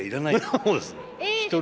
そうですよ。